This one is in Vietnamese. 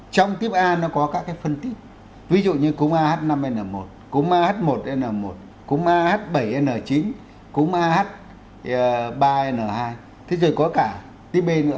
trong tiếp a nó có các cái phân tiếp ví dụ như cúm a h năm n một cúm a h một n một cúm a h bảy n chín cúm a h ba n hai thế rồi có cả tiếp b nữa